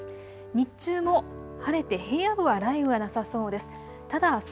日中も晴れて平野部は雷雨はなさそうです。